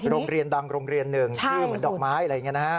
โรงเรียนดังโรงเรียนหนึ่งชื่อเหมือนดอกไม้อะไรอย่างนี้นะฮะ